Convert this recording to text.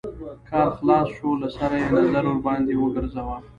کار خلاص شو له سره يې نظر ورباندې وګرځوه.